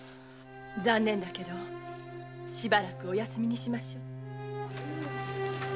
残念だけれどしばらくお休みにしましょう。